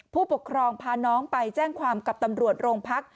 ผู้ปกครองพาน้องไปแจ้งความกับตำรวจโรงพัก